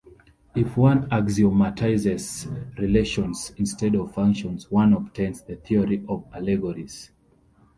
If one axiomatizes relations instead of functions, one obtains the theory of allegories.